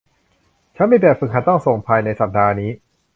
ฉันมีแบบฝึกหัดต้องส่งภายในสัปดาห์นี้